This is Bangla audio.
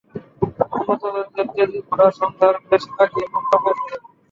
উন্নত জাতের তেজি ঘোড়া সন্ধ্যার বেশ আগেই মক্কা পৌঁছে যায়।